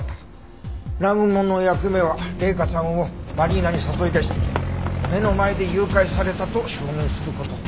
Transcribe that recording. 南雲の役目は麗華さんをマリーナに誘い出して目の前で誘拐されたと証言する事。